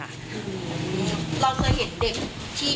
เราเคยเห็นเด็กที่